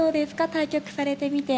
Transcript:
対局されてみて。